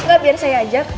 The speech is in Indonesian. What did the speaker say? gak biar saya aja